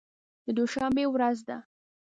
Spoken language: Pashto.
د دوشنبې ورځ وه.